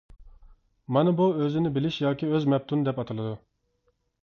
مانا بۇ ئۆزىنى بىلىش ياكى ئۆز مەپتۇن دەپ ئاتىلىدۇ.